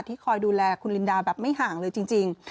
คอยดูแลคุณลินดาแบบไม่ห่างเลยจริง